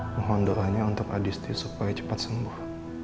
mohon doanya untuk adisti supaya cepat sembuh